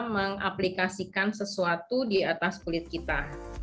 mengaplikasikan sesuatu di atas kulit kita